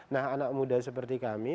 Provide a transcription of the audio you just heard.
nah anak muda seperti kami